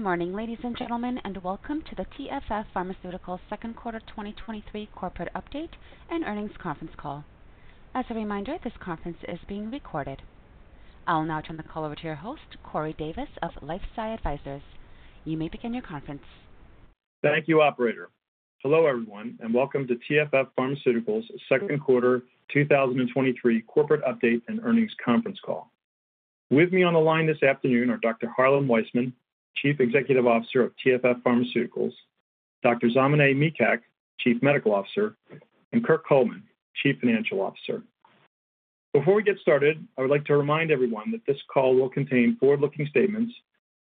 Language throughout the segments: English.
Good morning, ladies and gentlemen, welcome to the TFF Pharmaceuticals second quarter 2023 corporate update and earnings Conference Call. As a reminder, this conference is being recorded. I'll now turn the call over to your host, Corey Davis of LifeSci Advisors. You may begin your conference. Thank you, operator. Hello, everyone, and welcome to TFF Pharmaceuticals second quarter 2023 corporate update and earnings conference call. With me on the line this afternoon are Dr. Harlan Weisman, Chief Executive Officer of TFF Pharmaceuticals, Dr. Zamen Hofmeister, Chief Medical Officer, and Kirk Coleman, Chief Financial Officer. Before we get started, I would like to remind everyone that this call will contain forward-looking statements,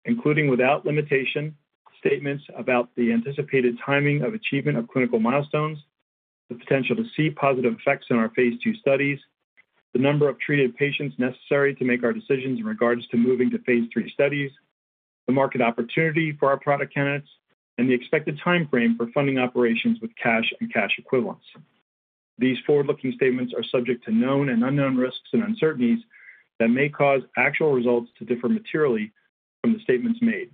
including, without limitation, statements about the anticipated timing of achievement of clinical milestones, the potential to see positive effects in our phase II studies, the number of treated patients necessary to make our decisions in regards to moving to phase III studies, the market opportunity for our product candidates, and the expected timeframe for funding operations with cash and cash equivalents. These forward-looking statements are subject to known and unknown risks and uncertainties that may cause actual results to differ materially from the statements made.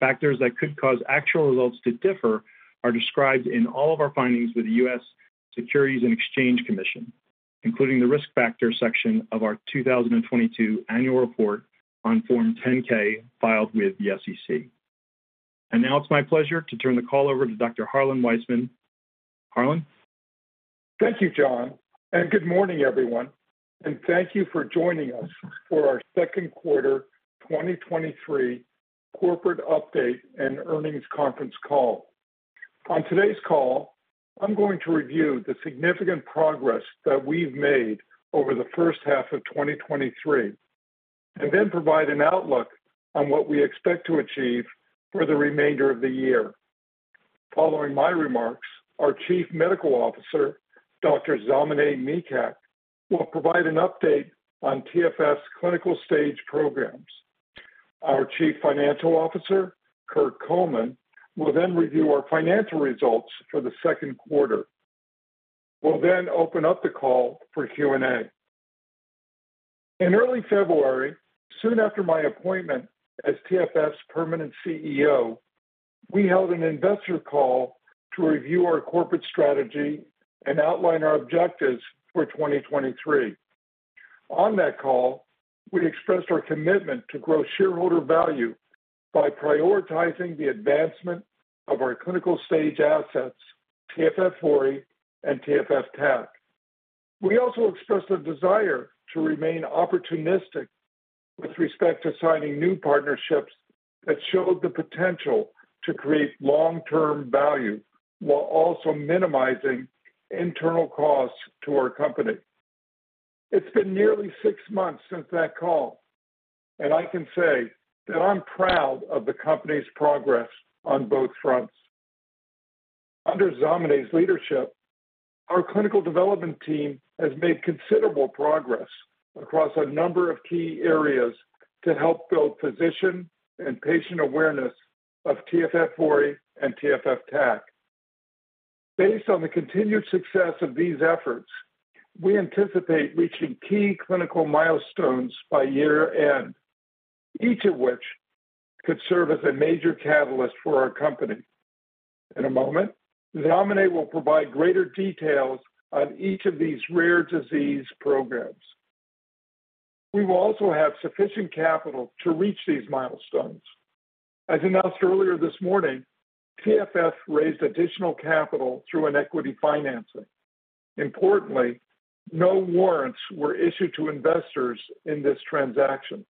Factors that could cause actual results to differ are described in all of our findings with the U.S. Securities and Exchange Commission, including the risk factors section of our 2022 annual report on Form 10-K, filed with the SEC. Now it's my pleasure to turn the call over to Dr. Harlan Weisman. Harlan? Thank you, John. Good morning, everyone, and thank you for joining us for our second quarter 2023 corporate update and earnings conference call. On today's call, I'm going to review the significant progress that we've made over the first half of 2023 then provide an outlook on what we expect to achieve for the remainder of the year. Following my remarks, our Chief Medical Officer, Dr. Zamen Hofmeister, will provide an update on TFF's clinical stage programs. Our Chief Financial Officer, Kirk Coleman, will review our financial results for the second quarter. We'll open up the call for Q&A. In early February, soon after my appointment as TFF's permanent CEO, we held an investor call to review our corporate strategy and outline our objectives for 2023. On that call, we expressed our commitment to grow shareholder value by prioritizing the advancement of our clinical stage assets, TFF 4 and TFF TAC. We also expressed a desire to remain opportunistic with respect to signing new partnerships that showed the potential to create long-term value while also minimizing internal costs to our company. It's been nearly six months since that call, and I can say that I'm proud of the company's progress on both fronts. Under Zameneh's leadership, our clinical development team has made considerable progress across a number of key areas to help build physician and patient awareness of TFF 4 and TFF TAC. Based on the continued success of these efforts, we anticipate reaching key clinical milestones by year end, each of which could serve as a major catalyst for our company. In a moment, Zamen will provide greater details on each of these rare disease programs. We will also have sufficient capital to reach these milestones. As announced earlier this morning, TFF raised additional capital through an equity financing. Importantly, no warrants were issued to investors in this transaction.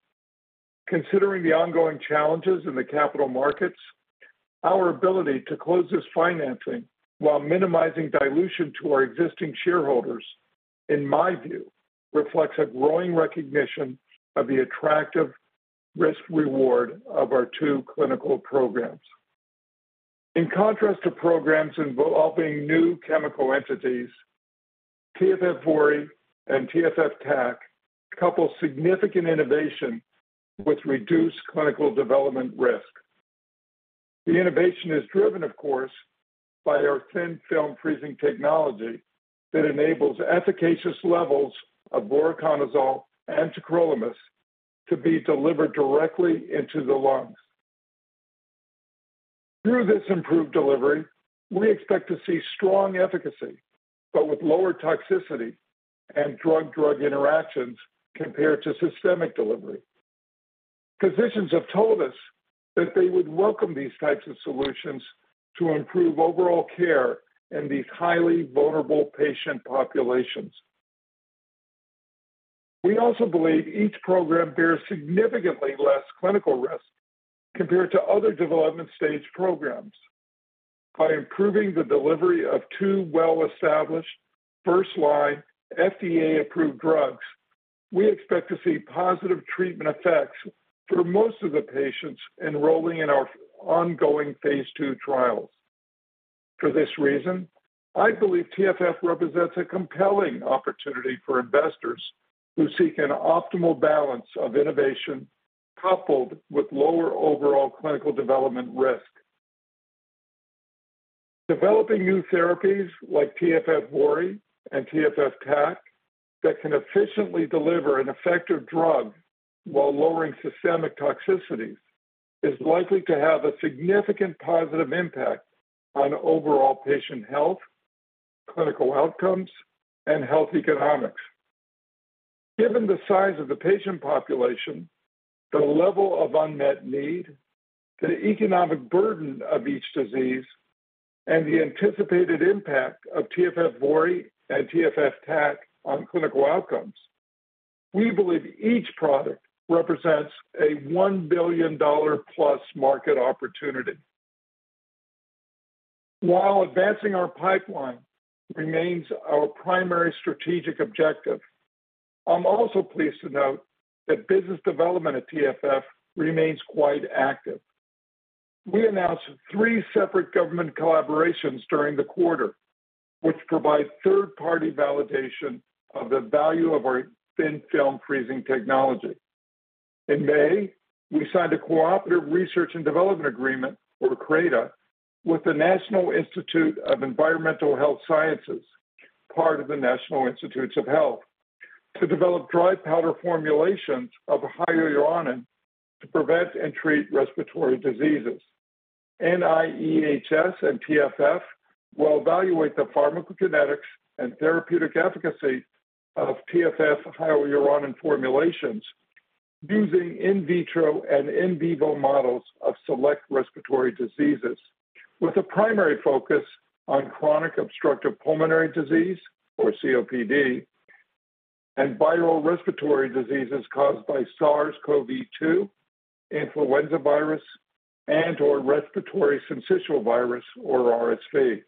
Considering the ongoing challenges in the capital markets, our ability to close this financing while minimizing dilution to our existing shareholders, in my view, reflects a growing recognition of the attractive risk-reward of our two clinical programs. In contrast to programs involving new chemical entities, TFF40 and TFF TAC couple significant innovation with reduced clinical development risk. The innovation is driven, of course, by our Thin Film Freezing technology that enables efficacious levels of voriconazole and tacrolimus to be delivered directly into the lungs. Through this improved delivery, we expect to see strong efficacy, but with lower toxicity and drug-drug interactions compared to systemic delivery. Physicians have told us that they would welcome these types of solutions to improve overall care in these highly vulnerable patient populations. We also believe each program bears significantly less clinical risk compared to other development stage programs. By improving the delivery of two well-established first-line FDA-approved drugs, we expect to see positive treatment effects for most of the patients enrolling in our ongoing phase II trials. For this reason, I believe TFF represents a compelling opportunity for investors who seek an optimal balance of innovation coupled with lower overall clinical development risk. Developing new therapies like TFF VORI and TFF TAC that can efficiently deliver an effective drug while lowering systemic toxicities, is likely to have a significant positive impact on overall patient health, clinical outcomes, and health economics. Given the size of the patient population, the level of unmet need, the economic burden of each disease, and the anticipated impact of TFF VORI and TFF TAC on clinical outcomes, we believe each product represents a $1 billion plus market opportunity. While advancing our pipeline remains our primary strategic objective, I'm also pleased to note that business development at TFF remains quite active. We announced three separate government collaborations during the quarter, which provide third-party validation of the value of our Thin Film Freezing technology. In May, we signed a Cooperative Research and Development Agreement, or CRADA, with the National Institute of Environmental Health Sciences, part of the National Institutes of Health, to develop dry powder formulations of hyaluronic to prevent and treat respiratory diseases. NIEHS and TFF will evaluate the pharmacokinetics and therapeutic efficacy of TFF hyaluronic formulations using in vitro and in vivo models of select respiratory diseases, with a primary focus on chronic obstructive pulmonary disease, or COPD, and viral respiratory diseases caused by SARS-CoV-2, influenza virus, and/or respiratory syncytial virus or RSV.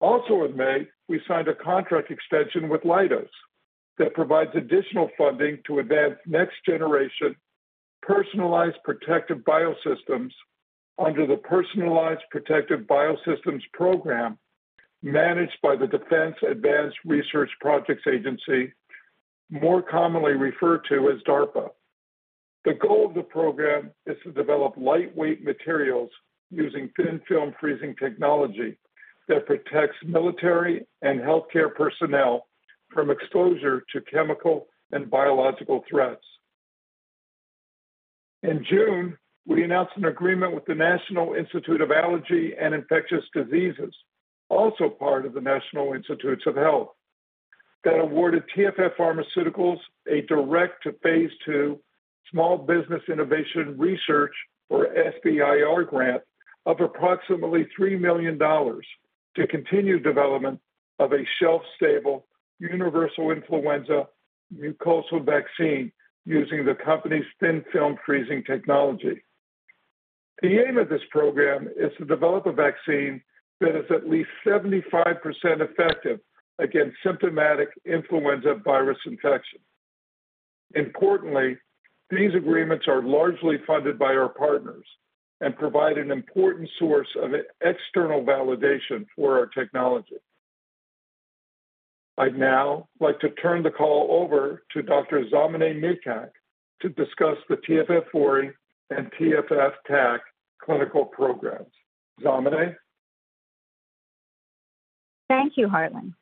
Also in May, we signed a contract extension with Leidos that provides additional funding to advance next-generation Personalized Protective Biosystems under the Personalized Protective Biosystems Program, managed by the Defense Advanced Research Projects Agency, more commonly referred to as DARPA. The goal of the program is to develop lightweight materials using Thin Film Freezing technology that protects military and healthcare personnel from exposure to chemical and biological threats. In June, we announced an agreement with the National Institute of Allergy and Infectious Diseases, also part of the National Institutes of Health, that awarded TFF Pharmaceuticals a direct to phase II Small Business Innovation Research, or SBIR grant, of approximately $3 million to continue development of a shelf-stable, universal Influenza mucosal vaccine using the company's Thin Film Freezing technology. The aim of this program is to develop a vaccine that is at least 75% effective against symptomatic Influenza virus infection. Importantly, these agreements are largely funded by our partners and provide an important source of external validation for our technology. I'd now like to turn the call over to Dr. Zamaneh Mikhak to discuss the TFF VORI and TFF TAC clinical programs. Zamaneh? Thank you, Harlan.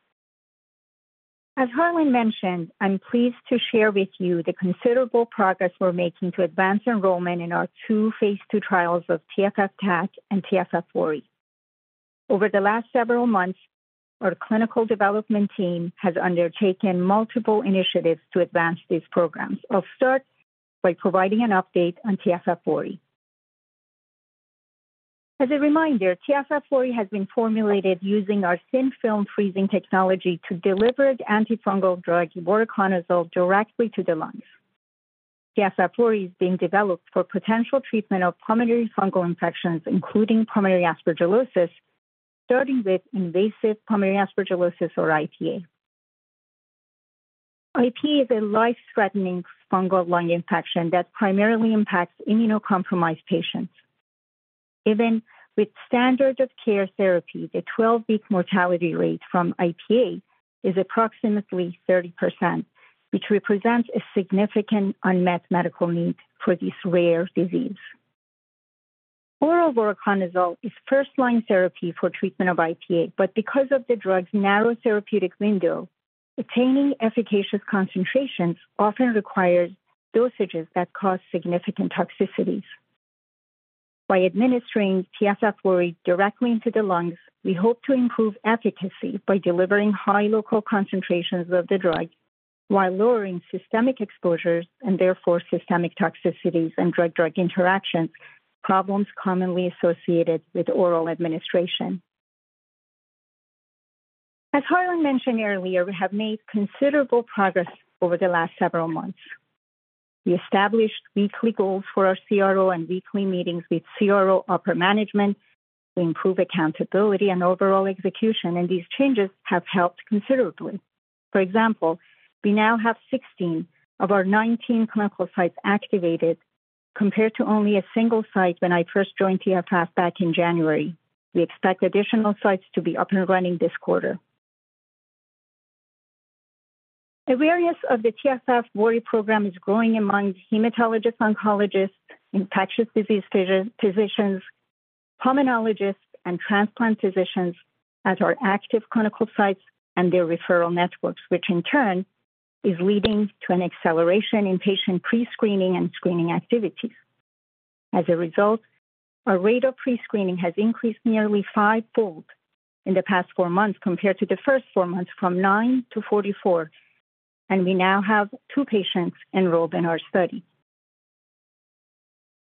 As Harlan mentioned, I'm pleased to share with you the considerable progress we're making to advance enrollment in our two phase II trials of TFF TAC and TFF VORI. Over the last several months, our clinical development team has undertaken multiple initiatives to advance these programs. I'll start by providing an update on TFF VORI. As a reminder, TFF VORI has been formulated using our Thin Film Freezing technology to deliver the antifungal drug voriconazole directly to the lungs. TFF VORI is being developed for potential treatment of pulmonary fungal infections, including pulmonary aspergillosis, starting with invasive pulmonary aspergillosis or IPA. IPA is a life-threatening fungal lung infection that primarily impacts immunocompromised patients. Even with standard of care therapy, the 12-week mortality rate from IPA is approximately 30%, which represents a significant unmet medical need for this rare disease. Oral voriconazole is first-line therapy for treatment of IPA, but because of the drug's narrow therapeutic window, attaining efficacious concentrations often requires dosages that cause significant toxicities. By administering TFF VORI directly into the lungs, we hope to improve efficacy by delivering high local concentrations of the drug while lowering systemic exposures and therefore systemic toxicities and drug-drug interactions, problems commonly associated with oral administration. As Harlan mentioned earlier, we have made considerable progress over the last several months. We established weekly goals for our CRO and weekly meetings with CRO upper management to improve accountability and overall execution, and these changes have helped considerably. For example, we now have 16 of our 19 clinical sites activated, compared to only a single site when I first joined TFF back in January. We expect additional sites to be up and running this quarter.... Awareness of the TFF40 program is growing among hematologist oncologists, infectious disease physicians, pulmonologists, and transplant physicians at our active clinical sites and their referral networks, which in turn is leading to an acceleration in patient pre-screening and screening activities. As a result, our rate of pre-screening has increased nearly fivefold in the past four months compared to the first four months, from nine to 44, and we now have two patients enrolled in our study.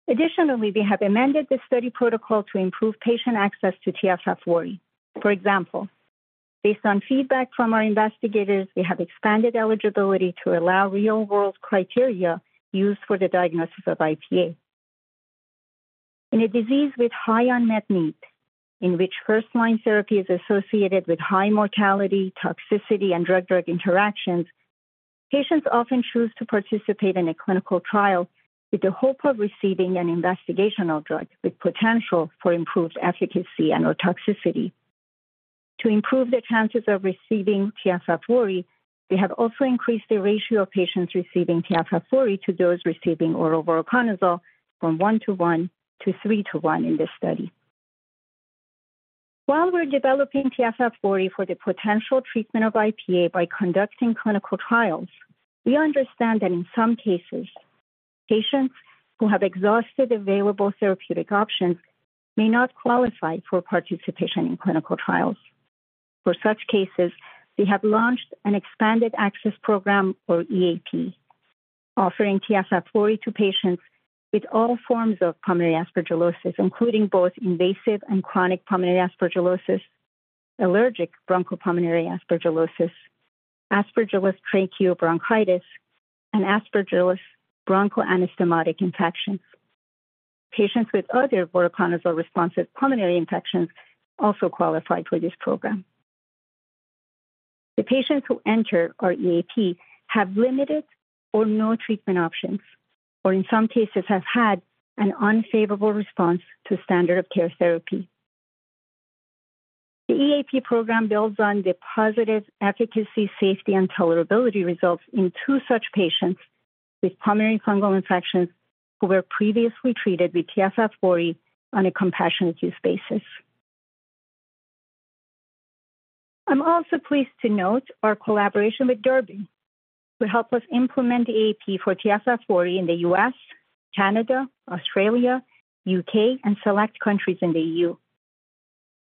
Additionally, we have amended the study protocol to improve patient access to TFF40. For example, based on feedback from our investigators, we have expanded eligibility to allow real-world criteria used for the diagnosis of IPA. In a disease with high unmet need, in which first-line therapy is associated with high mortality, toxicity, and drug-drug interactions, patients often choose to participate in a clinical trial with the hope of receiving an investigational drug with potential for improved efficacy and/or toxicity. To improve the chances of receiving TFF40, we have also increased the ratio of patients receiving TFF40 to those receiving oral voriconazole from 1-to-1 to 3-to-1 in this study. While we're developing TFF40 for the potential treatment of IPA by conducting clinical trials, we understand that in some cases, patients who have exhausted available therapeutic options may not qualify for participation in clinical trials. For such cases, we have launched an expanded access program or EAP, offering TFF40 to patients with all forms of pulmonary aspergillosis, including both invasive and chronic pulmonary aspergillosis, allergic bronchopulmonary aspergillosis, Aspergillus tracheobronchitis, and Aspergillus bronchial anastomotic infections. Patients with other voriconazole-responsive pulmonary infections also qualify for this program. The patients who enter our EAP have limited or no treatment options, or in some cases, have had an unfavorable response to standard of care therapy. The EAP program builds on the positive efficacy, safety, and tolerability results in two such patients with pulmonary fungal infections who were previously treated with TFF40 on a compassionate use basis. I'm also pleased to note our collaboration with Durbin to help us implement the EAP for TFF40 in the U.S. Canada, Australia, U.K. and select countries in the EU.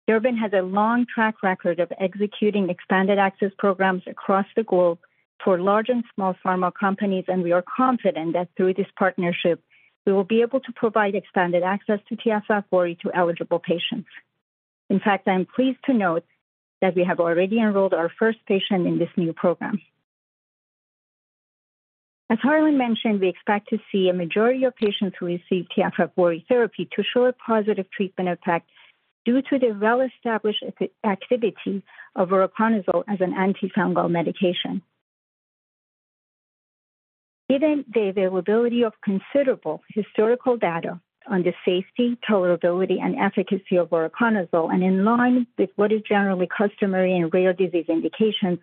Durbin has a long track record of executing expanded access programs across the globe for large and small pharma companies, and we are confident that through this partnership, we will be able to provide expanded access to TFF40 to eligible patients. In fact, I'm pleased to note that we have already enrolled our first patient in this new program. As Harlan mentioned, we expect to see a majority of patients who receive TFF40 therapy to show a positive treatment effect due to the well-established activity of voriconazole as an antifungal medication. Given the availability of considerable historical data on the safety, tolerability, and efficacy of voriconazole, and in line with what is generally customary in rare disease indications,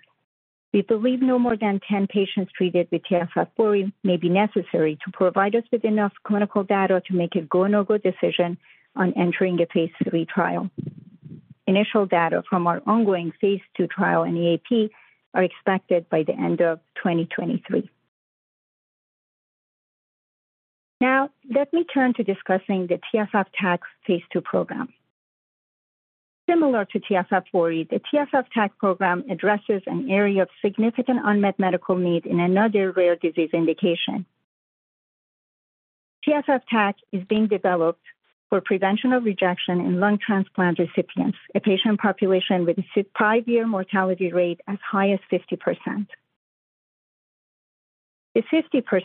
we believe no more than 10 patients treated with TFF40 may be necessary to provide us with enough clinical data to make a go or no-go decision on entering a phase III trial. Initial data from our ongoing phase II trial and EAP are expected by the end of 2023. Let me turn to discussing the TFFTAC phase II program. Similar to TFF40, the TFF TAC program addresses an area of significant unmet medical need in another rare disease indication. TFF TAC is being developed for prevention of rejection in lung transplant recipients, a patient population with a five year mortality rate as high as 50%. The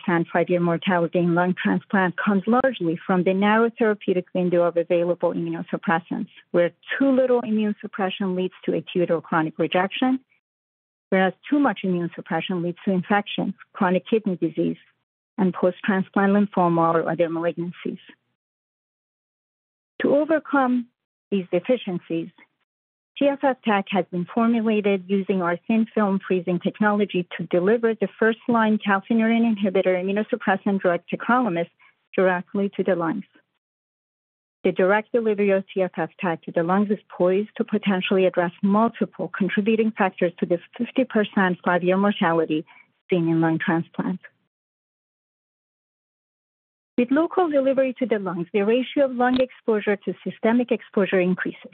50% 5-year mortality in lung transplant comes largely from the narrow therapeutic window of available immunosuppressants, where too little immune suppression leads to acute or chronic rejection, whereas too much immune suppression leads to infection, chronic kidney disease, and post-transplant lymphoma or other malignancies. To overcome these deficiencies, TFF TAC has been formulated using our Thin Film Freezing technology to deliver the first-line calcineurin inhibitor immunosuppressant drug, tacrolimus, directly to the lungs. The direct delivery of TFF TAC to the lungs is poised to potentially address multiple contributing factors to this 50% 5-year mortality seen in lung transplant. With local delivery to the lungs, the ratio of lung exposure to systemic exposure increases.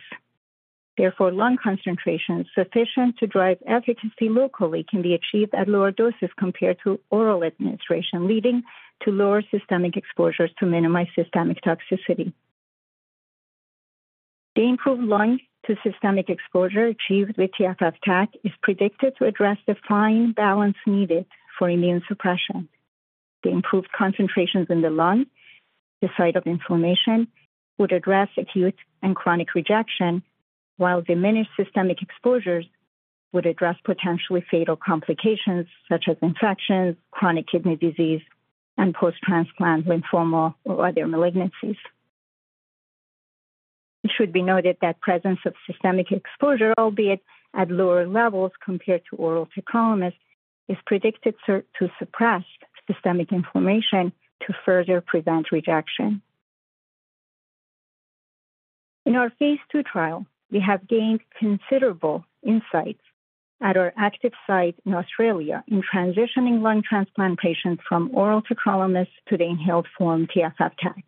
Therefore, lung concentrations sufficient to drive efficacy locally can be achieved at lower doses compared to oral administration, leading to lower systemic exposures to minimize systemic toxicity. The improved lung to systemic exposure achieved with TFF TAC is predicted to address the fine balance needed for immune suppression. The improved concentrations in the lung, the site of inflammation, would address acute and chronic rejection, while diminished systemic exposures would address potentially fatal complications such as infections, chronic kidney disease, and post-transplant lymphoma or other malignancies. It should be noted that presence of systemic exposure, albeit at lower levels compared to oral tacrolimus, is predicted to suppress systemic inflammation to further prevent rejection. In our phase II trial, we have gained considerable insights at our active site in Australia in transitioning lung transplant patients from oral tacrolimus to the inhaled form TFF TAC.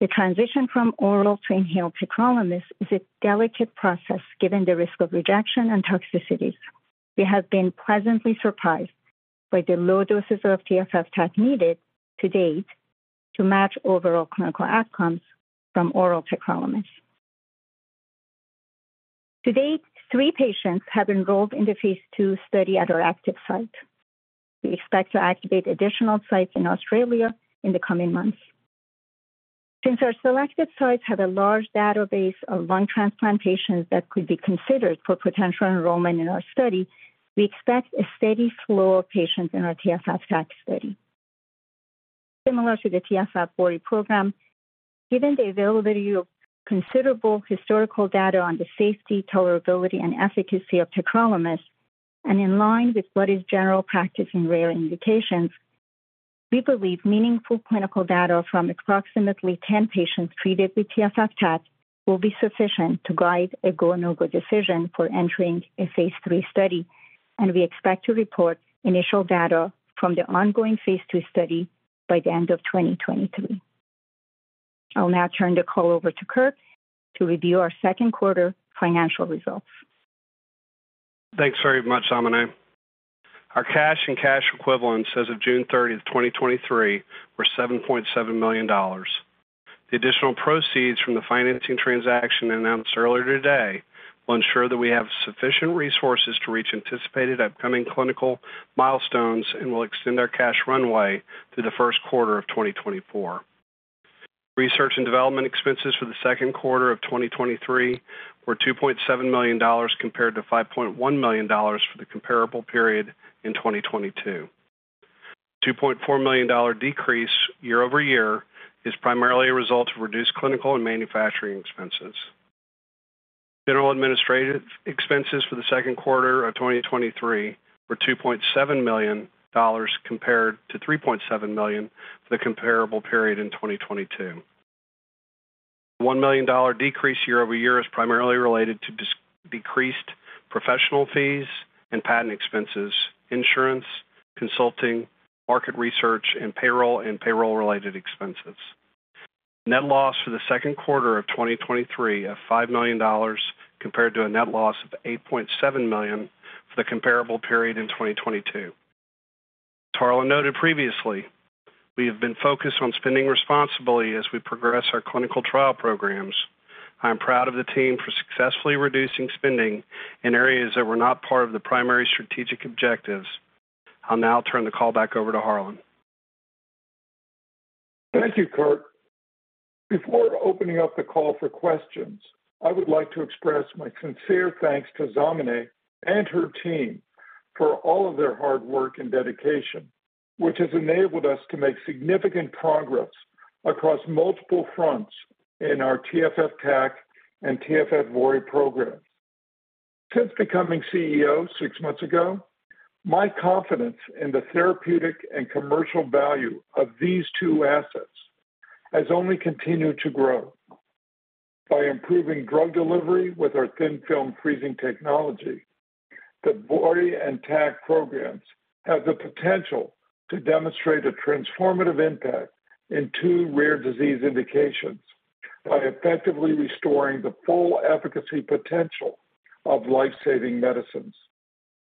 The transition from oral to inhaled tacrolimus is a delicate process, given the risk of rejection and toxicities. We have been pleasantly surprised by the low doses of TFF TAC needed to date to match overall clinical outcomes from oral tacrolimus. To date, three patients have enrolled in the phase II study at our active site. We expect to activate additional sites in Australia in the coming months. Since our selected sites have a large database of lung transplant patients that could be considered for potential enrollment in our study, we expect a steady flow of patients in our TFF TAC study. Similar to the TFF VORI program, given the availability of considerable historical data on the safety, tolerability, and efficacy of tacrolimus, and in line with what is general practice in rare indications, we believe meaningful clinical data from approximately 10 patients treated with TFF TAC will be sufficient to guide a go/no-go decision for entering a phase III study, and we expect to report initial data from the ongoing phase II study by the end of 2023. I'll now turn the call over to Kirk to review our second quarter financial results. Thanks very much, Zamaneh. Our cash and cash equivalents as of 30th June, 2023, were $7.7 million. The additional proceeds from the financing transaction announced earlier today will ensure that we have sufficient resources to reach anticipated upcoming clinical milestones and will extend our cash runway through the first quarter of 2024. Research and development expenses for the second quarter of 2023 were $2.7 million, compared to $5.1 million for the comparable period in 2022. A $2.4 million decrease year-over-year is primarily a result of reduced clinical and manufacturing expenses. General administrative expenses for the second quarter of 2023 were $2.7 million compared to $3.7 million for the comparable period in 2022. The $1 million decrease year-over-year is primarily related to decreased professional fees and patent expenses, insurance, consulting, market research, and payroll and payroll-related expenses. Net loss for the second quarter of 2023 of $5 million, compared to a net loss of $8.7 million for the comparable period in 2022. Harlan noted previously, we have been focused on spending responsibly as we progress our clinical trial programs. I'm proud of the team for successfully reducing spending in areas that were not part of the primary strategic objectives. I'll now turn the call back over to Harlan. Thank you, Kirk. Before opening up the call for questions, I would like to express my sincere thanks to Zamine and her team for all of their hard work and dedication, which has enabled us to make significant progress across multiple fronts in our TFF TAC and TFF VORI programs. Since becoming CEO six months ago, my confidence in the therapeutic and commercial value of these two assets has only continued to grow. By improving drug delivery with our Thin Film Freezing technology, the VORI and TAC programs have the potential to demonstrate a transformative impact in two rare disease indications by effectively restoring the full efficacy potential of life-saving medicines.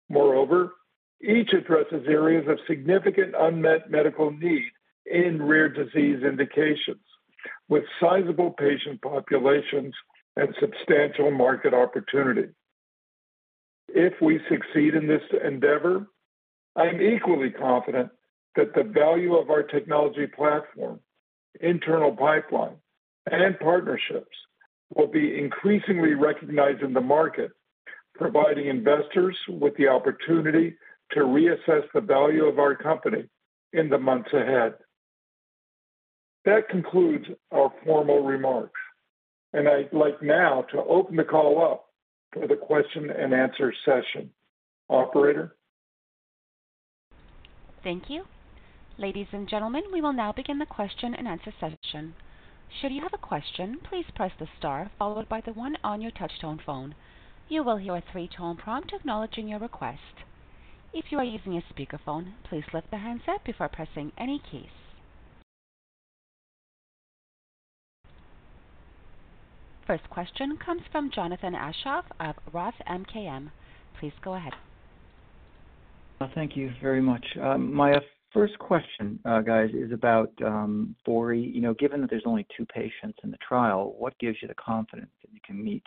Moreover, each addresses areas of significant unmet medical need in rare disease indications, with sizable patient populations and substantial market opportunity. If we succeed in this endeavor, I am equally confident that the value of our technology platform, internal pipeline, and partnerships will be increasingly recognized in the market, providing investors with the opportunity to reassess the value of our company in the months ahead. That concludes our formal remarks, and I'd like now to open the call up for the question-and-answer session. Operator? Thank you. Ladies and gentlemen, we will now begin the question-and-answer session. Should you have a question, please Press the Star followed by the one on your touchtone phone. You will hear a three tone prompt acknowledging your request. If you are using a speakerphone, please lift the handset before pressing any keys. First question comes from Jonathan Aschoff of Roth MKM. Please go ahead. Thank you very much. My first question, guys, is about, VORI. You know, given that there's only two patients in the trial, what gives you the confidence that you can meet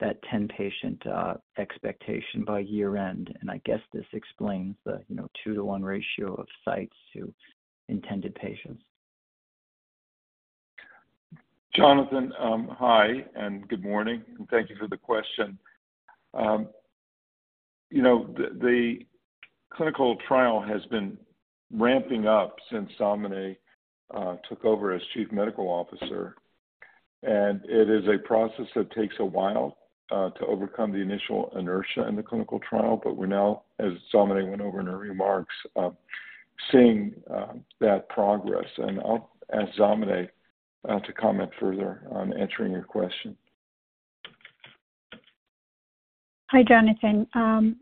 that 10-patient, expectation by year-end? I guess this explains the, you know, 2-1 ratio of sites to intended patients. Jonathan, hi, and good morning, and thank you for the question. You know, the, the clinical trial has been ramping up since Zamaneh took over as Chief Medical Officer, and it is a process that takes a while to overcome the initial inertia in the clinical trial. We're now, as Zamaneh went over in her remarks, seeing that progress. I'll ask Zamaneh to comment further on answering your question. Hi, Jonathan. Hi.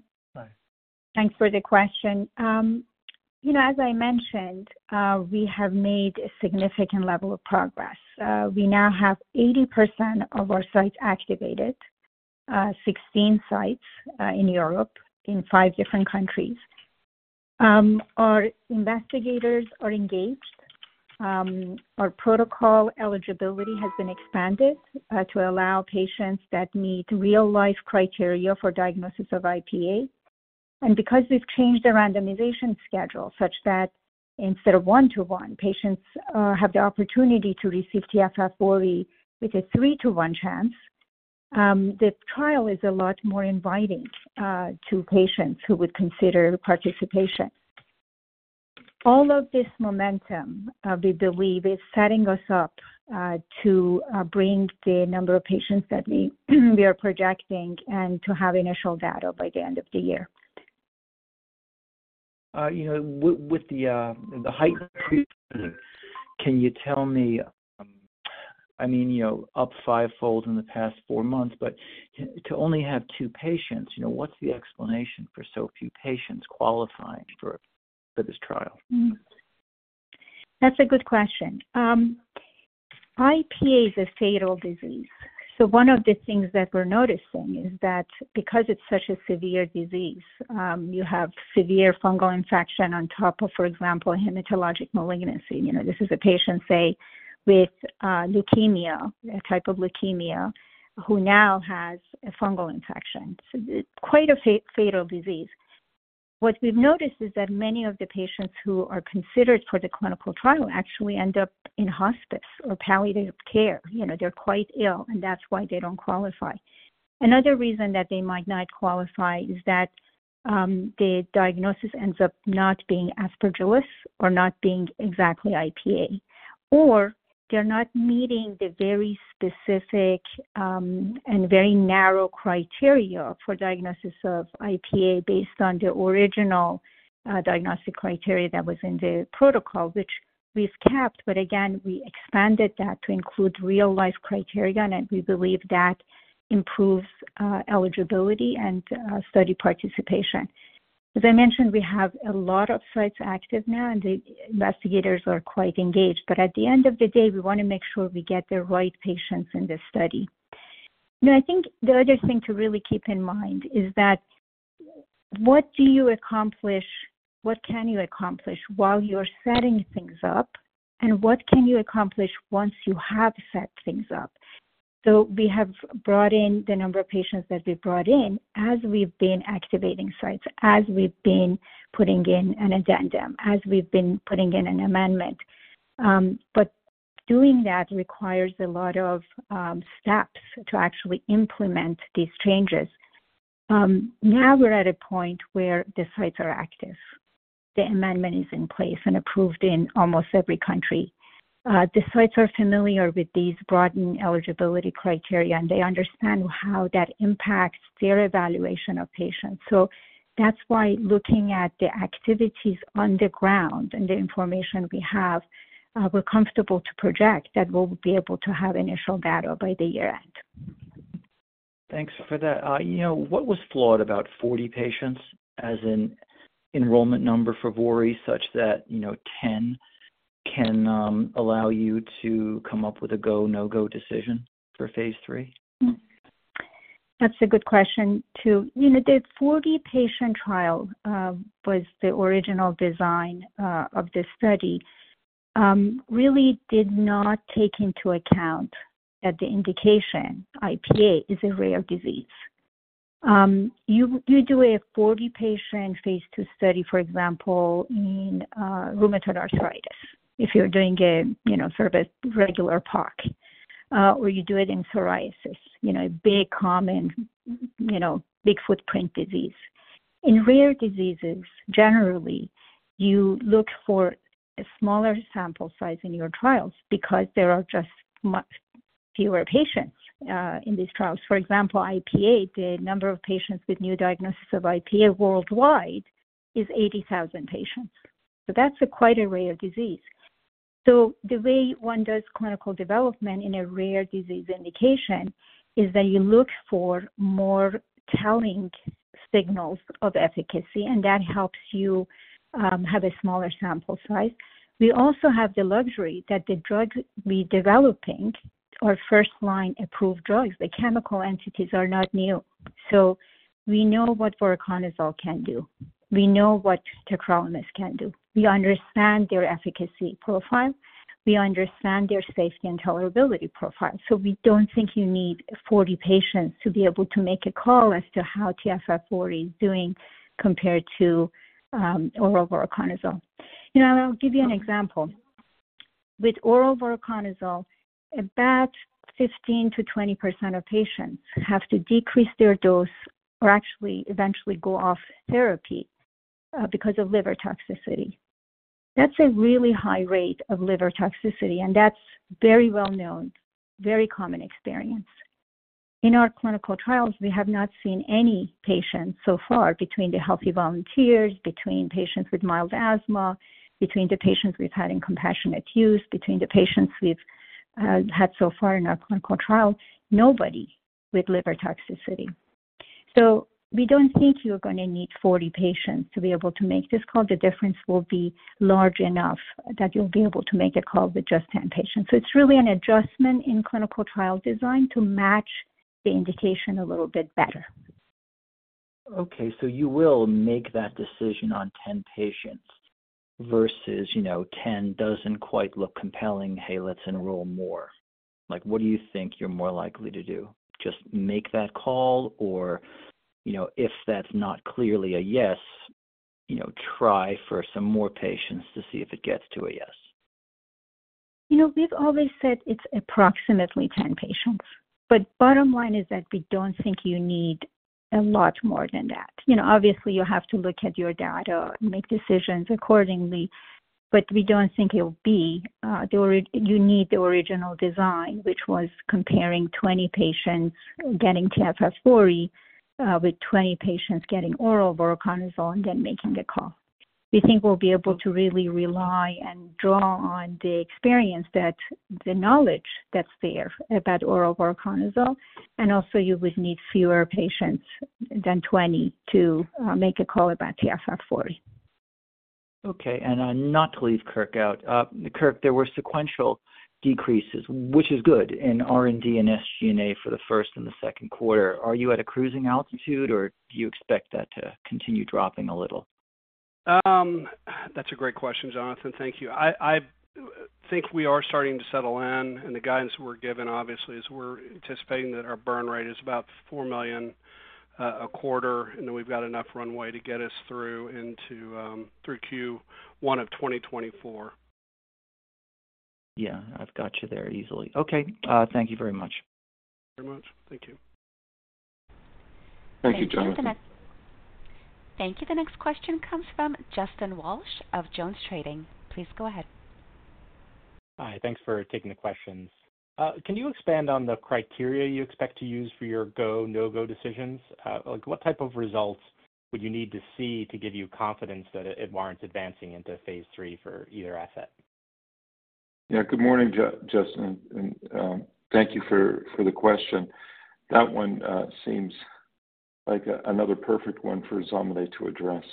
Thanks for the question. You know, as I mentioned, we have made a significant level of progress. We now have 80% of our sites activated, 16 sites, in Europe, in 5 different countries. Our investigators are engaged. Our protocol eligibility has been expanded to allow patients that meet real-life criteria for diagnosis of IPA. Because we've changed the randomization schedule, such that instead of 1-1, patients have the opportunity to receive TFF40 with a 3-1 chance, the trial is a lot more inviting to patients who would consider participation. All of this momentum, we believe, is setting us up to bring the number of patients that we, we are projecting and to have initial data by the end of the year. You know, with, with the, the heightened treatment, can you tell me, I mean, you know, up fivefold in the past four months, but to, to only have two patients, you know, what's the explanation for so few patients qualifying for, for this trial? That's a good question. IPA is a fatal disease. One of the things that we're noticing is that because it's such a severe disease, you have severe fungal infection on top of, for example, hematologic malignancy. You know, this is a patient, say, with leukemia, a type of leukemia, who now has a fungal infection. It's quite a fatal disease. What we've noticed is that many of the patients who are considered for the clinical trial actually end up in hospice or palliative care. You know, they're quite ill, and that's why they don't qualify. Another reason that they might not qualify is that the diagnosis ends up not being Aspergillus or not being exactly IPA, or they're not meeting the very specific and very narrow criteria for diagnosis of IPA based on the original diagnostic criteria that was in the protocol, which we've kept. Again, we expanded that to include real-life criteria, and we believe that improves eligibility and study participation. As I mentioned, we have a lot of sites active now, and the investigators are quite engaged. At the end of the day, we want to make sure we get the right patients in this study. You know, I think the other thing to really keep in mind is that what can you accomplish while you're setting things up? What can you accomplish once you have set things up? We have brought in the number of patients that we've brought in as we've been activating sites, as we've been putting in an addendum, as we've been putting in an amendment. But doing that requires a lot of steps to actually implement these changes. Now we're at a point where the sites are active. The amendment is in place and approved in almost every country. The sites are familiar with these broadened eligibility criteria, and they understand how that impacts their evaluation of patients. That's why looking at the activities on the ground and the information we have, we're comfortable to project that we'll be able to have initial data by the year-end. Thanks for that. You know, what was flawed about 40 patients as an enrollment number for Vori, such that, you know, 10 can, allow you to come up with a go, no-go decision for phase III? That's a good question, too. You know, the 40-patient trial was the original design of this study, really did not take into account that the indication, IPA, is a rare disease. You, you do a 40-patient phase II twostudy, for example, in rheumatoid arthritis, if you're doing a, you know, sort of a regular park, or you do it in psoriasis, you know, a big, common, you know, big footprint disease. In rare diseases, generally, you look for a smaller sample size in your trials because there are just much fewer patients in these trials. For example, IPA, the number of patients with new diagnosis of IPA worldwide is 80,000 patients. So that's a quite a rare disease. The way one does clinical development in a rare disease indication is that you look for more telling signals of efficacy, and that helps you have a smaller sample size. We also have the luxury that the drug we're developing are first-line approved drugs. The chemical entities are not new. We know what voriconazole can do. We know what tacrolimus can do. We understand their efficacy profile. We understand their safety and tolerability profile. We don't think you need 40 patients to be able to make a call as to how TFF40 is doing compared to oral voriconazole. You know, I'll give you an example. With oral voriconazole, about 15-20% of patients have to decrease their dose or actually eventually go off therapy because of liver toxicity. That's a really high rate of liver toxicity, and that's very well known, very common experience. In our clinical trials, we have not seen any patients so far between the healthy volunteers, between patients with mild asthma, between the patients we've had in compassionate use, between the patients we've had so far in our clinical trial, nobody with liver toxicity. We don't think you're gonna need 40 patients to be able to make this call. The difference will be large enough that you'll be able to make a call with just 10 patients. It's really an adjustment in clinical trial design to match the indication a little bit better. Okay, so you will make that decision on 10 patients versus, you know, 10 doesn't quite look compelling, "Hey, let's enroll more." Like, what do you think you're more likely to do? Just make that call or, you know, if that's not clearly a yes, you know, try for some more patients to see if it gets to a yes. You know, we've always said it's approximately 10 patients, but bottom line is that we don't think you need a lot more than that. You know, obviously, you have to look at your data and make decisions accordingly, but we don't think it'll be you need the original design, which was comparing 20 patients getting TFF40 with 20 patients getting oral voriconazole and then making the call. We think we'll be able to really rely and draw on the experience that, the knowledge that's there about oral voriconazole, and also you would need fewer patients than 20 to make a call about TFF40. Okay, not to leave Kirk out. Kirk, there were sequential decreases, which is good, in R&D and SG&A for the first and the second quarter. Are you at a cruising altitude, or do you expect that to continue dropping a little? That's a great question, Jonathan. Thank you. I, I think we are starting to settle in, and the guidance we're given, obviously, is we're anticipating that our burn rate is about $4 million a quarter, and then we've got enough runway to get us through into, through Q1 of 2024. Yeah, I've got you there easily. Okay, thank you very much. Very much. Thank you. Thank you, Jonathan. Thank you. The next question comes from Justin Walsh of Jones Trading. Please go ahead. Hi, thanks for taking the questions. Can you expand on the criteria you expect to use for your go, no-go decisions? Like, what type of results would you need to see to give you confidence that it, it warrants advancing into phase III for either asset? Yeah. Good morning, Justin, thank you for the question. That one seems like another perfect one for Zamile to address.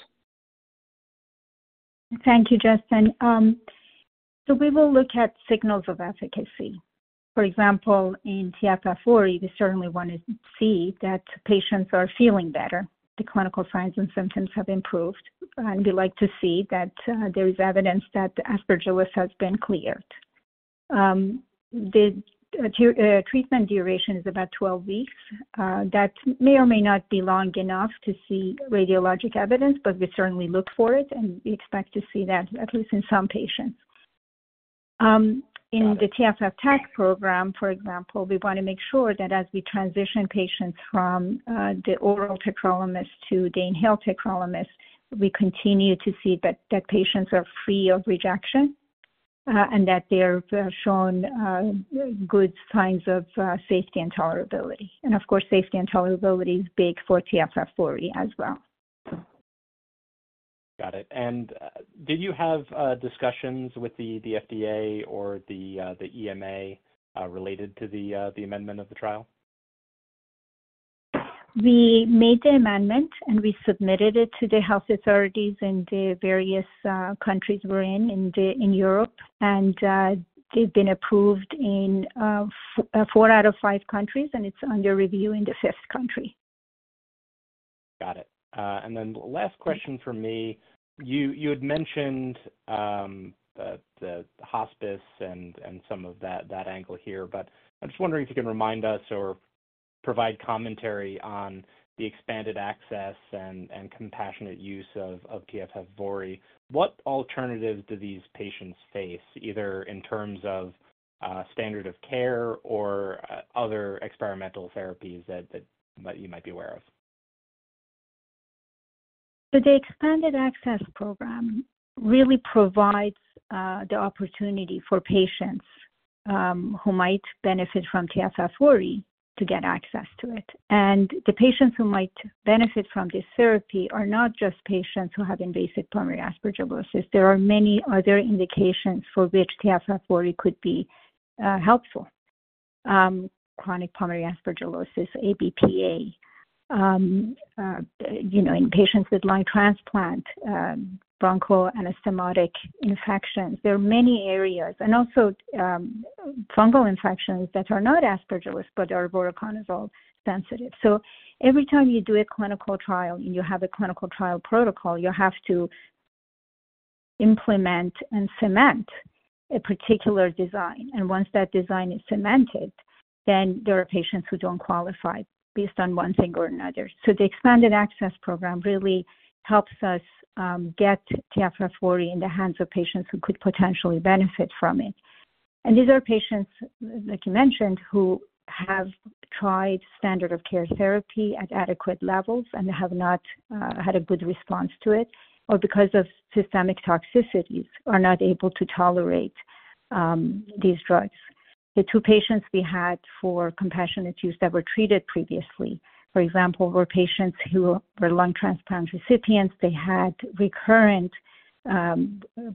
Thank you, Justin. We will look at signals of efficacy. For example, in TFF40, we certainly want to see that patients are feeling better, the clinical signs and symptoms have improved, and we like to see that there is evidence that the Aspergillus has been cleared. The treatment duration is about 12 weeks. That may or may not be long enough to see radiologic evidence, but we certainly look for it, and we expect to see that at least in some patients. In the TFF TAC program, for example, we want to make sure that as we transition patients from the oral tacrolimus to the inhaled tacrolimus, we continue to see that, that patients are free of rejection, and that they're shown good signs of safety and tolerability. Of course, safety and tolerability is big for TFF40 as well. Got it. Did you have discussions with the FDA or the EMA related to the amendment of the trial? We made the amendment, and we submitted it to the health authorities in the various countries we're in, in the, in Europe, and they've been approved in four out of five countries, and it's under review in the fifth country. Got it. Last question from me. You, you had mentioned the hospice and, and some of that, that angle here, I'm just wondering if you can remind us or provide commentary on the expanded access and, and compassionate use of TFF40. What alternatives do these patients face, either in terms of standard of care or other experimental therapies that, that, that you might be aware of? The Expanded Access Program really provides the opportunity for patients who might benefit from TFF40 to get access to it. The patients who might benefit from this therapy are not just patients who have invasive pulmonary aspergillosis. There are many other indications for which TFF40 could be helpful. Chronic pulmonary aspergillosis, ABPA, you know, in patients with lung transplant, bronchial anastomotic infections. There are many areas and also fungal infections that are not Aspergillus, but are voriconazole sensitive. Every time you do a clinical trial, and you have a clinical trial protocol, you have to implement and cement a particular design, and once that design is cemented, then there are patients who don't qualify based on one thing or another. The Expanded Access Program really helps us get TFF40 in the hands of patients who could potentially benefit from it. These are patients, like you mentioned, who have tried standard of care therapy at adequate levels and have not had a good response to it, or because of systemic toxicities, are not able to tolerate these drugs. The two patients we had for Compassionate Use that were treated previously, for example, were patients who were lung transplant recipients. They had recurrent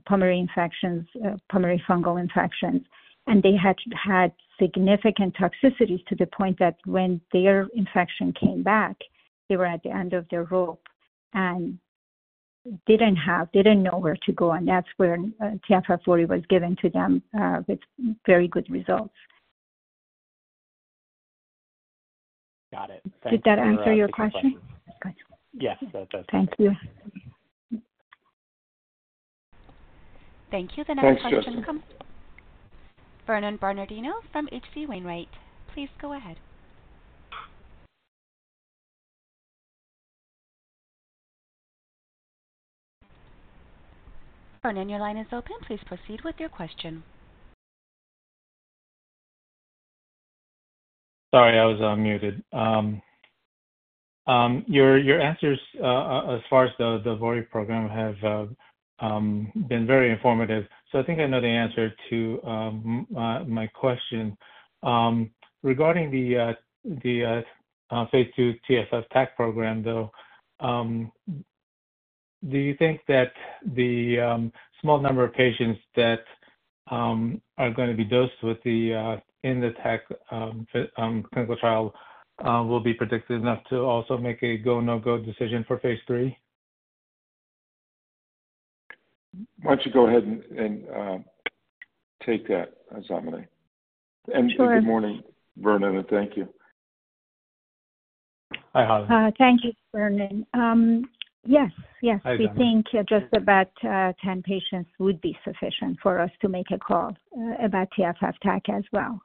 pulmonary infections, pulmonary fungal infections, and they had had significant toxicities to the point that when their infection came back, they were at the end of their rope and didn't know where to go, and that's where TFF40 was given to them with very good results. Got it. Thank you. Did that answer your question? Yes, that does. Thank you. Thank you. The next question- Thanks, Justin. Vernon Bernardino from H.C. Wainwright. Please go ahead. Vernon, your line is open. Please proceed with your question. Sorry, I was on muted. Your, your answers as far as the Vori program have been very informative. I think I know the answer to my question. Regarding the phase II TFF TAC program, though, do you think that the small number of patients that are gonna be dosed with the in the TAC clinical trial will be predictive enough to also make a go, no-go decision for phase III? Why don't you go ahead and, and, take that, Zamini? Sure. Good morning, Vernon, and thank you. Hi, Harlan. Thank you, Vernon. Yes, yes. Hi, Zamini. We think just about 10 patients would be sufficient for us to make a call about TFF TAC as well.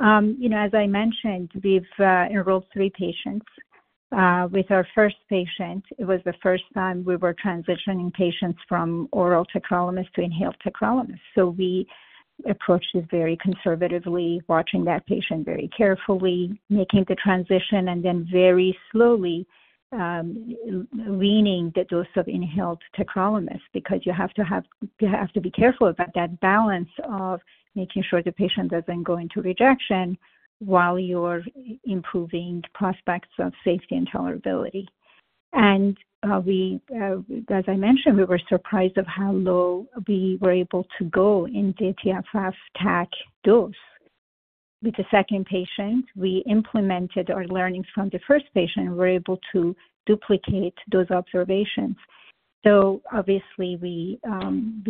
You know, as I mentioned, we've enrolled three patients. With our first patient, it was the first time we were transitioning patients from oral tacrolimus to inhaled tacrolimus. We approached it very conservatively, watching that patient very carefully, making the transition, and then very slowly leaning the dose of inhaled tacrolimus, because you have to be careful about that balance of making sure the patient doesn't go into rejection while you're improving prospects of safety and tolerability. As I mentioned, we were surprised of how low we were able to go in the TFF TAC dose. With the second patient, we implemented our learnings from the first patient and were able to duplicate those observations. Obviously, we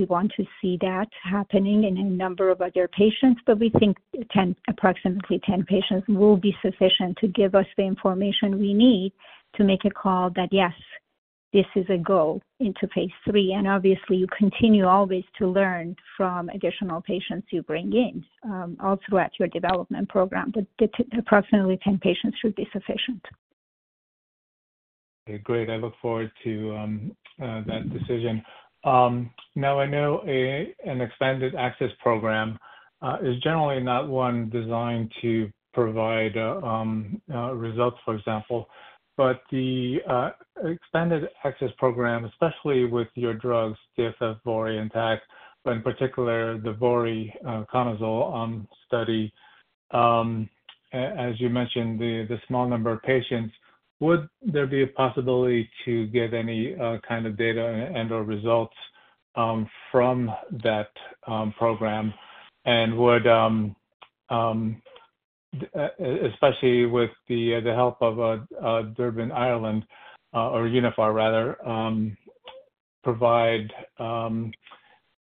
want to see that happening in a number of other patients, but we think 10, approximately 10 patients will be sufficient to give us the information we need to make a call that, yes, this is a go into phase III. Obviously, you continue always to learn from additional patients you bring in, all throughout your development program, but the approximately 10 patients should be sufficient. Okay, great. I look forward to that decision. Now I know an Expanded Access Program is generally not one designed to provide results, for example. The Expanded Access Program, especially with your drugs, TFF VORI and TAC, but in particular, the voriconazole study, as you mentioned, the small number of patients, would there be a possibility to get any kind of data and/or results from that program? Would especially with the help of Durbin, Ireland, or Uniphar rather, provide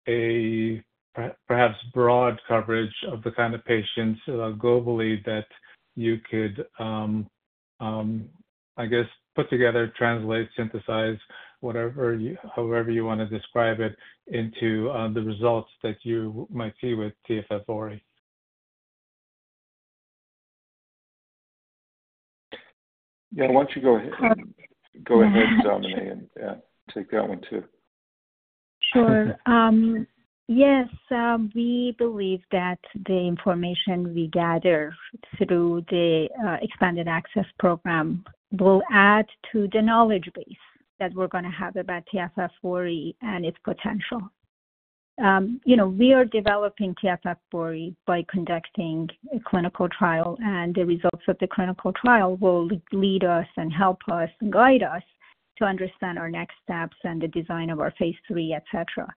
a perhaps broad coverage of the kind of patients globally that you could, I guess, put together, translate, synthesize, whatever, however you want to describe it, into the results that you might see with TFF VORI? Yeah, why don't you go ahead, go ahead, Zamini, and, take that one too. Sure. Yes, we believe that the information we gather through the expanded access program will add to the knowledge base that we're gonna have about TFF40 and its potential. You know, we are developing TFF40 by conducting a clinical trial. The results of the clinical trial will lead us and help us, guide us to understand our next steps and the design of our phase III, etC.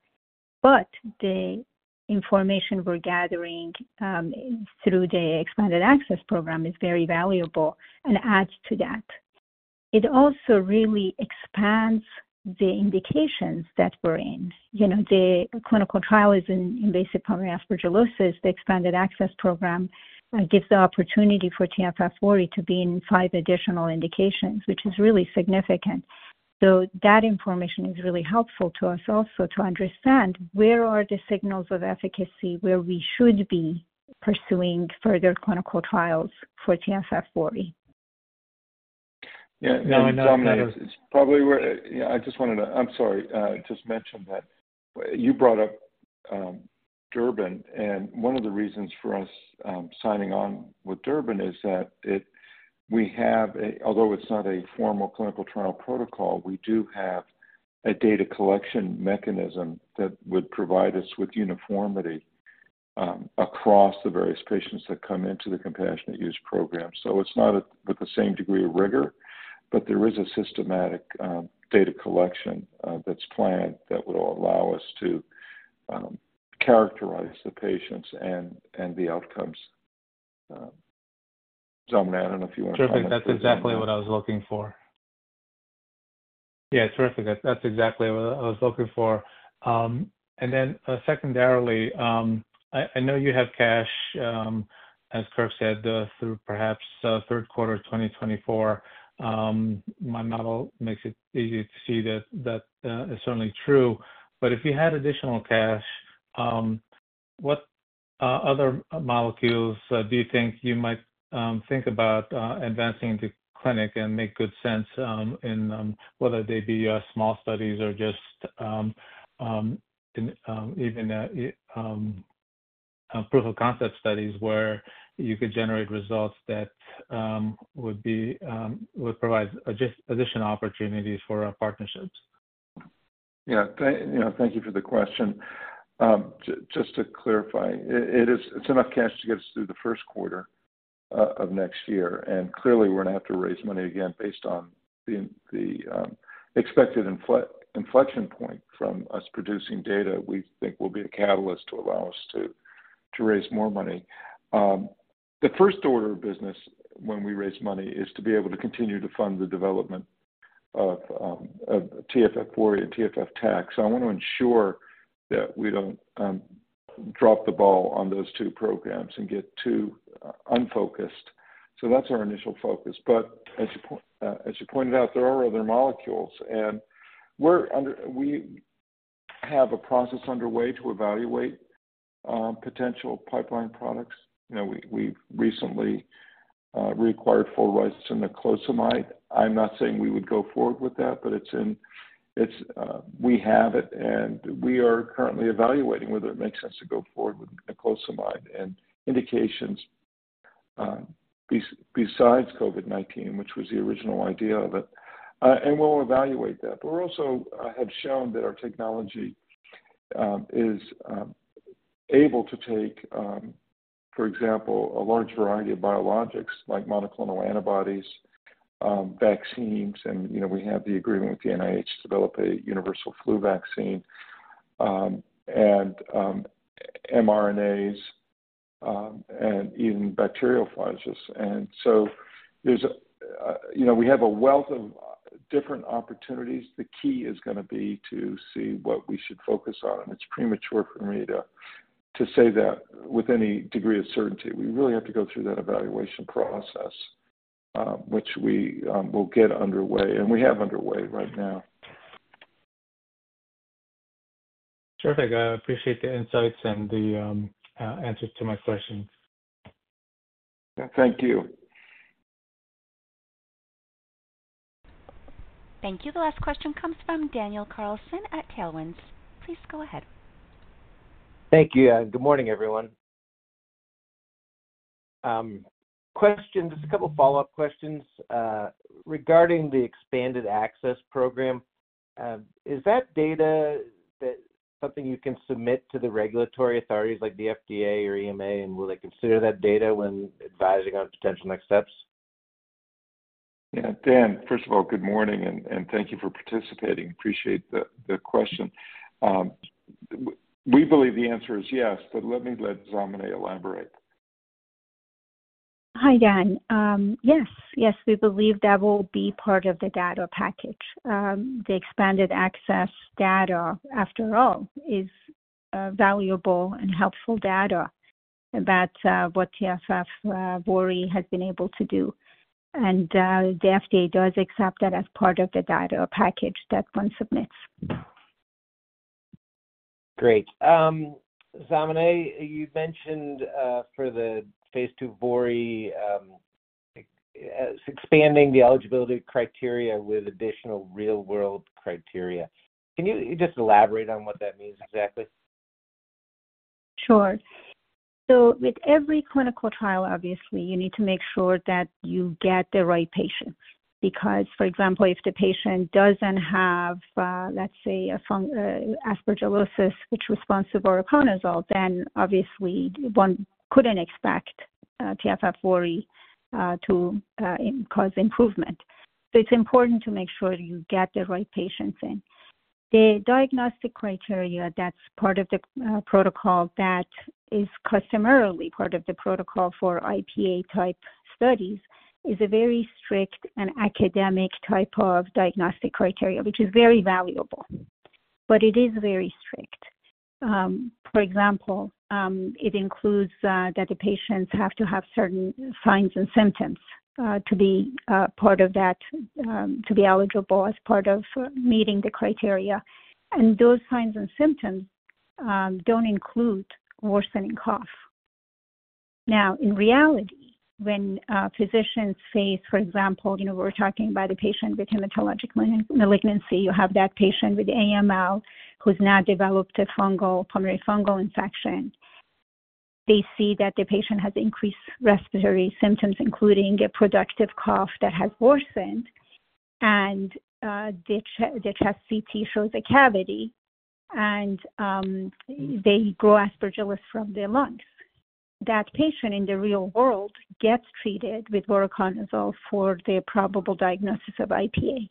The information we're gathering through the expanded access program is very valuable and adds to that. It also really expands the indications that we're in. You know, the clinical trial is in, in basic pulmonary aspergillosis. The expanded access program gives the opportunity for TFF40 to be in five additional indications, which is really significant.... That information is really helpful to us also to understand where are the signals of efficacy, where we should be pursuing further clinical trials for TFF40? Yeah, Zamaneh, it's probably where I just wanted to. I'm sorry, just mention that you brought up Durbin. One of the reasons for us signing on with Durbin is that it we have a, although it's not a formal clinical trial protocol, we do have a data collection mechanism that would provide us with uniformity across the various patients that come into the Compassionate Use Program. It's not at, with the same degree of rigor, but there is a systematic data collection that's planned that would allow us to characterize the patients and the outcomes. Zamaneh, I don't know if you want to comment? Terrific. That's exactly what I was looking for. Yeah, terrific. That, that's exactly what I was looking for. Then, secondarily, I, I know you have cash, as Kirk said, through perhaps, third quarter of 2024. My model makes it easy to see that, that, is certainly true. If you had additional cash, what other molecules, do you think you might think about advancing to clinic and make good sense, in whether they be small studies or just even proof of concept studies where you could generate results that would be would provide additional opportunities for partnerships? Yeah. You know, thank you for the question. Just to clarify, it's enough cash to get us through the first quarter of next year, and clearly, we're gonna have to raise money again based on the expected inflection point from us producing data we think will be a catalyst to allow us to raise more money. The first order of business when we raise money is to be able to continue to fund the development of TFF40 and TFF-TAC. I want to ensure that we don't drop the ball on those two programs and get too unfocused. That's our initial focus. As you pointed out, there are other molecules, and we have a process underway to evaluate potential pipeline products. You know, we, we've recently reacquired full rights to niclosamide. I'm not saying we would go forward with that, but it's in, it's we have it, and we are currently evaluating whether it makes sense to go forward with niclosamide and indications besides COVID-19, which was the original idea of it. We'll evaluate that. We're also have shown that our technology is able to take, for example, a large variety of biologics, like monoclonal antibodies, vaccines, and, you know, we have the agreement with the NIH to develop a universal flu vaccine, and mRNAs, and even bacteriophages. So there's a, you know, we have a wealth of different opportunities. The key is gonna be to see what we should focus on, and it's premature for me to say that with any degree of certainty. We really have to go through that evaluation process, which we will get underway and we have underway right now. Terrific. I appreciate the insights and the answers to my questions. Thank you. Thank you. The last question comes from Daniel Carlson at Tailwinds. Please go ahead. Thank you, and good morning, everyone. Question, just a couple follow-up questions. Regarding the expanded access program, is that data that something you can submit to the regulatory authorities like the FDA or EMA, and will they consider that data when advising on potential next steps? Yeah. Dan, first of all, good morning, and, and thank you for participating. Appreciate the, the question. We believe the answer is yes, but let me let Zamina elaborate. Hi, Dan. Yes. Yes, we believe that will be part of the data package. The expanded access data, after all, is valuable and helpful data about what TFF VORI has been able to do. The FDA does accept that as part of the data package that one submits. Great. Zamina, you mentioned, for the phase II vori, expanding the eligibility criteria with additional real-world criteria. Can you just elaborate on what that means exactly? Sure. With every clinical trial, obviously, you need to make sure that you get the right patient, because, for example, if the patient doesn't have, let's say, aspergillosis, which responds to voriconazole, then obviously one couldn't expect TFF40 to cause improvement. It's important to make sure you get the right patients in. The diagnostic criteria, that's part of the protocol, that is customarily part of the protocol for IPA type studies, is a very strict and academic type of diagnostic criteria, which is very valuable, but it is very strict. For example, it includes that the patients have to have certain signs and symptoms to be part of that, to be eligible as part of meeting the criteria. Those signs and symptoms don't include worsening cough. In reality, when physicians face, for example, you know, we're talking about a patient with hematologic malignancy, you have that patient with AML who's now developed a fungal, pulmonary fungal infection. They see that the patient has increased respiratory symptoms, including a productive cough that has worsened, and the chest CT shows a cavity, and they grow Aspergillus from their lungs. That patient in the real world gets treated with voriconazole for their probable diagnosis of IPA.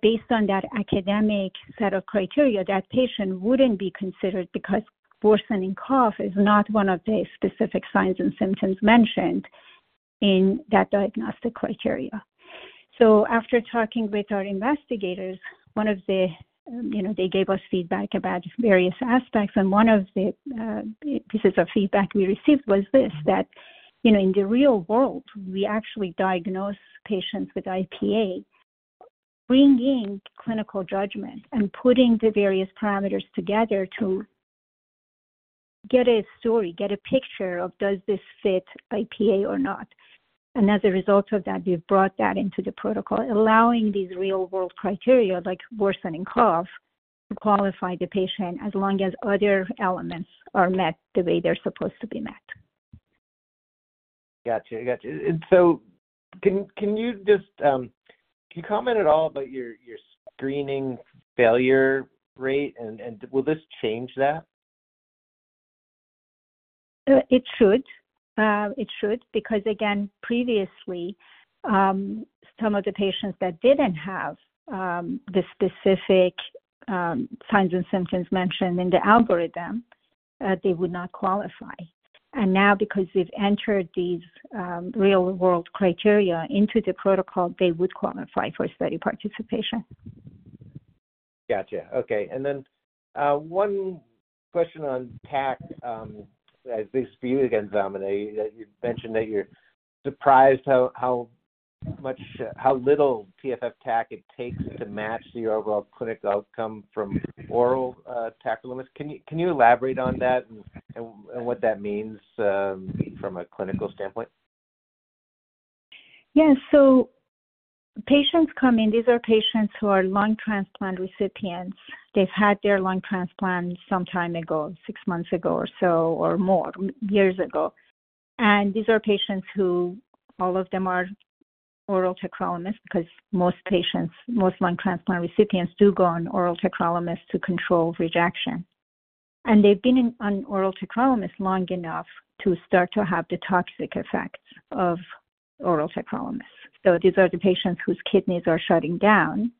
Based on that academic set of criteria, that patient wouldn't be considered because worsening cough is not one of the specific signs and symptoms mentioned in that diagnostic criteria. After talking with our investigators, one of the, you know, they gave us feedback about various aspects, and one of the pieces of feedback we received was this, that, you know, in the real world, we actually diagnose patients with IPA, bringing clinical judgment and putting the various parameters together to get a story, get a picture of does this fit IPA or not? As a result of that, we've brought that into the protocol, allowing these real-world criteria, like worsening cough, to qualify the patient as long as other elements are met the way they're supposed to be met. Got you. I got you. Can you just, can you comment at all about your, your screening failure rate, and, and will this change that? It should. It should, because again, previously, some of the patients that didn't have the specific signs and symptoms mentioned in the algorithm, they would not qualify. Now, because we've entered these real-world criteria into the protocol, they would qualify for study participation. Got you. Okay, and then, one question on TAC, this is for you again, Domina. You mentioned that you're surprised how, how much, how little TFF TAC it takes to match the overall clinical outcome from oral, tacrolimus. Can you, can you elaborate on that and, and what that means, from a clinical standpoint? Yes. Patients come in, these are patients who are lung transplant recipients. They've had their lung transplant sometime ago, six months ago or so, or more, years ago. These are patients who all of them are oral tacrolimus, because most patients, most lung transplant recipients do go on oral tacrolimus to control rejection. They've been on oral tacrolimus long enough to start to have the toxic effects of oral tacrolimus. These are the patients whose kidneys are shutting down,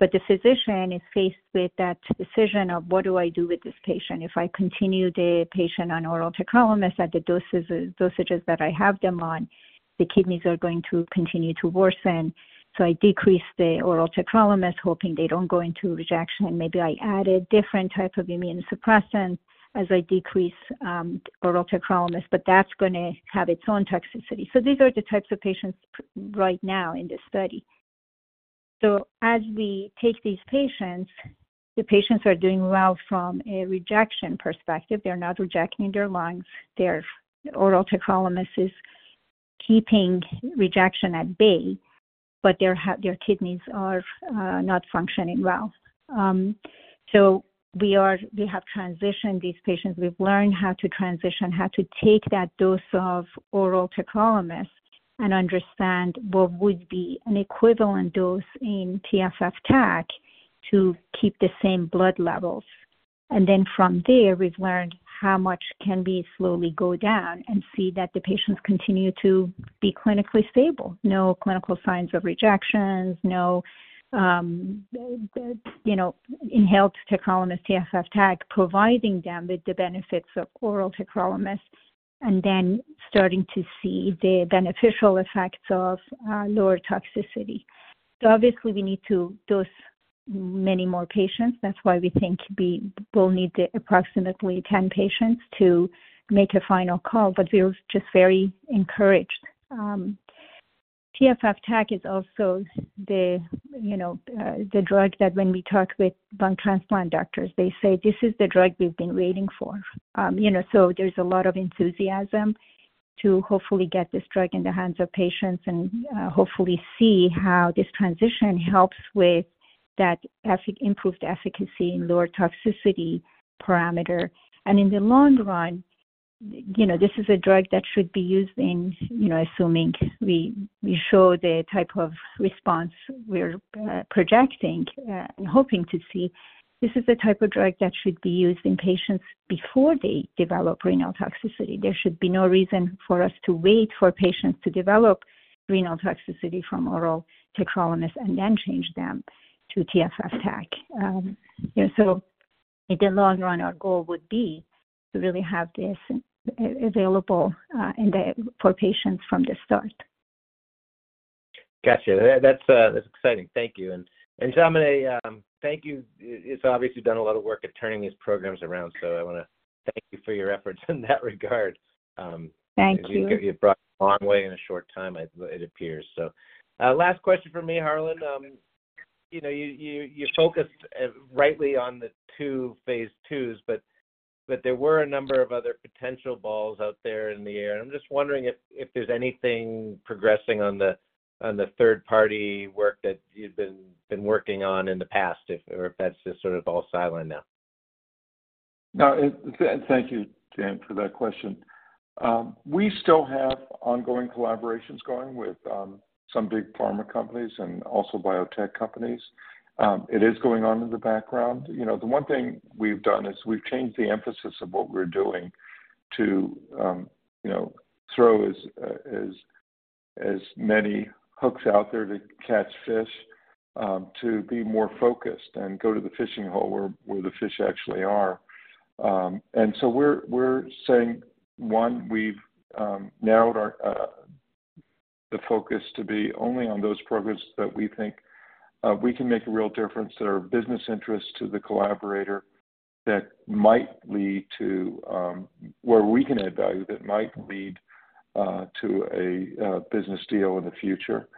but the physician is faced with that decision of, what do I do with this patient? If I continue the patient on oral tacrolimus at the doses, dosages that I have them on, the kidneys are going to continue to worsen. I decrease the oral tacrolimus, hoping they don't go into rejection, and maybe I add a different type of immunosuppressant as I decrease oral tacrolimus, but that's gonna have its own toxicity. These are the types of patients right now in this study. As we take these patients, the patients are doing well from a rejection perspective. They're not rejecting their lungs. Their oral tacrolimus is keeping rejection at bay, but their kidneys are not functioning well. We have transitioned these patients. We've learned how to transition, how to take that dose of oral tacrolimus and understand what would be an equivalent dose in TFF TAC to keep the same blood levels. Then from there, we've learned how much can we slowly go down and see that the patients continue to be clinically stable. No clinical signs of rejections, no, the, you know, inhaled tacrolimus, TFF TAC, providing them with the benefits of oral tacrolimus and then starting to see the beneficial effects of lower toxicity. Obviously, we need to dose many more patients. That's why we think we will need approximately 10 patients to make a final call, but we're just very encouraged. TFF TAC is also the, you know, the drug that when we talk with lung transplant doctors, they say, "This is the drug we've been waiting for." You know, so there's a lot of enthusiasm to hopefully get this drug in the hands of patients and hopefully see how this transition helps with that effi-- improved efficacy and lower toxicity parameter. In the long run, you know, this is a drug that should be used in, you know, assuming we, we show the type of response we're projecting and hoping to see. This is the type of drug that should be used in patients before they develop renal toxicity. There should be no reason for us to wait for patients to develop renal toxicity from oral tacrolimus and then change them to TFF TAC. You know, so in the long run, our goal would be to really have this available for patients from the start. Gotcha. That's, that's exciting. Thank you. Jamini, thank you. You've obviously done a lot of work at turning these programs around, so I wanna thank you for your efforts in that regard. Thank you. You've brought a long way in a short time, it, it appears. Last question from me, Harlan. you know, you, you, you focused, rightly on the two phase II, but, but there were a number of other potential balls out there in the air. I'm just wondering if, if there's anything progressing on the, on the third-party work that you've been, been working on in the past, if or if that's just sort of all silent now? No, thank you, Dan, for that question. We still have ongoing collaborations going with some big pharma companies and also biotech companies. It is going on in the background. You know, the one thing we've done is we've changed the emphasis of what we're doing to, you know, throw as, as, as many hooks out there to catch fish, to be more focused and go to the fishing hole where, where the fish actually are. We're, we're saying, one, we've narrowed our the focus to be only on those programs that we think we can make a real difference, that are of business interest to the collaborator, that might lead to where we can add value, that might lead to a business deal in the future.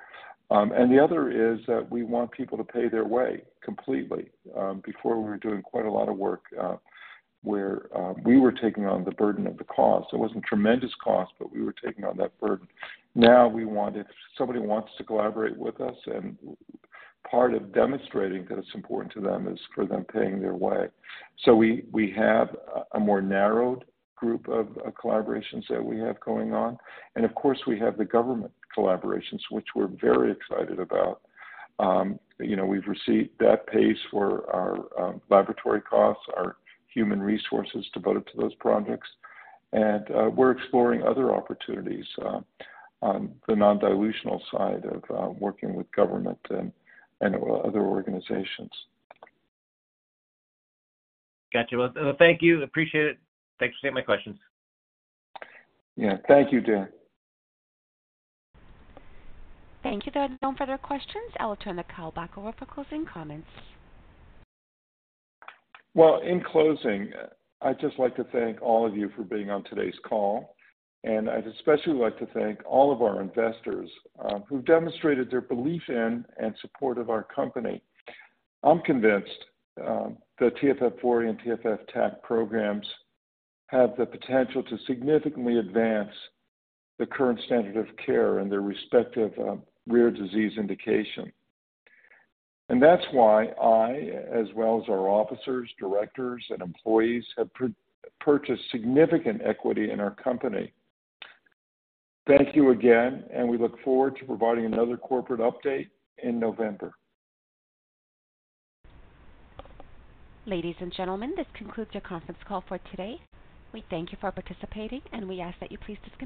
The other is that we want people to pay their way completely. Before we were doing quite a lot of work, where we were taking on the burden of the cost. It wasn't tremendous cost, but we were taking on that burden. Now, we want, if somebody wants to collaborate with us, part of demonstrating that it's important to them is for them paying their way. We, we have a more narrowed group of, of collaborations that we have going on. Of course, we have the government collaborations, which we're very excited about. you know, we've received that pace for our, laboratory costs, our human resources devoted to those projects. We're exploring other opportunities, the non-dilutional side of working with government and, and other organizations. Got you. Well, thank you. Appreciate it. Thanks for taking my questions. Yeah. Thank you, Dan. Thank you. There are no further questions. I will turn the call back over for closing comments. Well, in closing, I'd just like to thank all of you for being on today's call, and I'd especially like to thank all of our investors, who've demonstrated their belief in and support of our company. I'm convinced, the TFF40 and TFF TAC programs have the potential to significantly advance the current standard of care in their respective, rare disease indication. That's why I, as well as our officers, directors, and employees, have purchased significant equity in our company. Thank you again. We look forward to providing another corporate update in November. Ladies and gentlemen, this concludes your conference call for today. We thank you for participating, and we ask that you please disconnect.